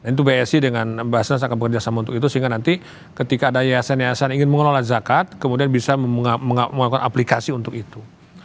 tentu bsi dengan basnas akan bekerjasama untuk itu sehingga nanti ketika ada yayasan yayasan ingin mengelola zakat kemudian bisa melakukan aplikasi untuk itu